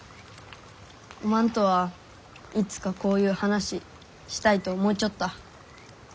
おまんとはいつかこういう話したいと思うちょった。